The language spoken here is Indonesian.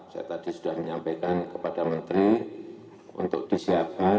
saya tadi sudah menyampaikan kepada menteri untuk disiapkan